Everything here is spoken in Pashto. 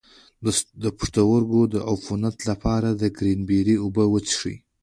د پښتورګو د عفونت لپاره د کرینبیري اوبه وڅښئ